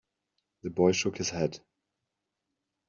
The boy shook his head.